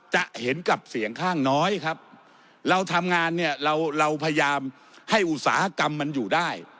จะเห็นกับเสียงข้างน้อยครับเราทำงานเนี่ยเราเราพยายามให้อุตสาหกรรมมันอยู่ได้